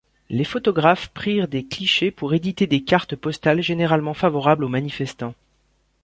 Les photographes prirent des clichés pour éditer des cartes postales généralement favorables aux manifestants.